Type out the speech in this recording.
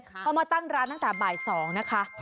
เขามาตั้งร้านตั้งแต่บ่าย๒นะคะ